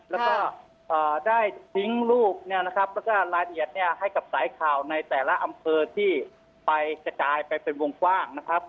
แล้วก็ได้ทิ้งลูกเนี่ยนะครับแล้วก็รายละเอียดให้กับสายข่าวในแต่ละอำเภอที่ไปกระจายไปเป็นวงกว้างนะครับ